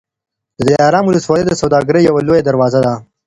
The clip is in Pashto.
د دلارام ولسوالي د سوداګرۍ یوه لویه دروازه ده.